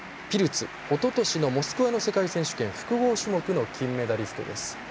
おととしのモスクワの世界選手権複合種目の金メダリストです。